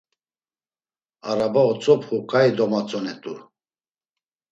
Araba otzopxu ǩai domatzonet̆u.